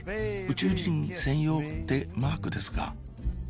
宇宙人専用ってマークですか？